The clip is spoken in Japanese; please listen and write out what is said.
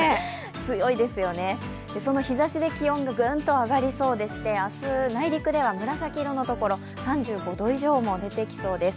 強いですよね、その日ざしで気温がグンと上がりそうでして、明日、内陸では紫色のところ、３５度以上も出てきそうです。